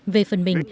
về phần mình